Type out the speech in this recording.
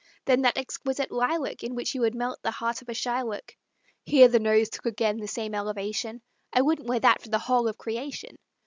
"Then that exquisite lilac, In which you would melt the heart of a Shylock;" (Here the nose took again the same elevation) "I wouldn't wear that for the whole of creation."